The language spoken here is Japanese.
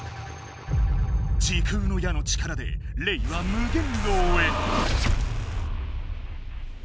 時空の矢の力でレイは無限牢へ。